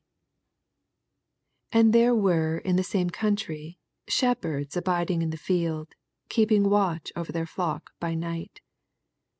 ^8 And there were in the samo eonntry shepherds abiding in the field, keeping watch over their flock by xught.